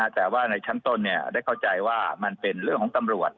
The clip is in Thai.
แต่ว่าในชั้นต้นได้เข้าใจว่ามันเป็นเรื่องของตำรวจ